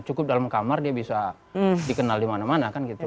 cukup dalam kamar dia bisa dikenal di mana mana kan gitu